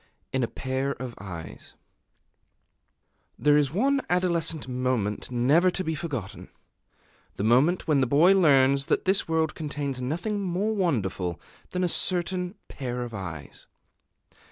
In a Pair of Eyes [Decoration] THERE is one adolescent moment never to be forgotten, the moment when the boy learns that this world contains nothing more wonderful than a certain pair of eyes.